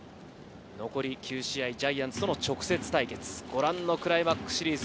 ジャイアンツとの直接対決、ご覧のクライマックスシリーズ。